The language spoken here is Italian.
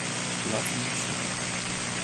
La trincea